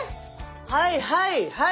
はいはいはい。